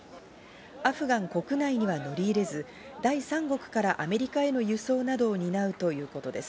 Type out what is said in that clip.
アフガン国内には乗り入れず、第三国からアメリカへの輸送などを担うということです。